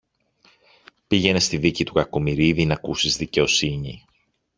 πήγαινε στη δίκη του Κακομοιρίδη, ν' ακούσεις δικαιοσύνη.